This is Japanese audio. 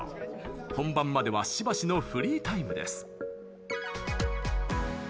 本番まではしばしのフリータイムです。